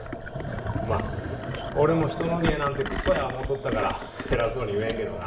まあ俺も人の芸なんてクソや思っとったから偉そうに言えんけどな。